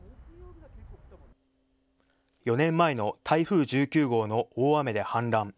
４年前の台風１９号の大雨で氾濫。